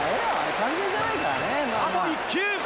あと１球！